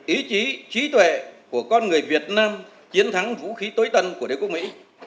ý chí trí tuệ của con người việt nam chiến thắng vũ khí tối tân của đế quốc mỹ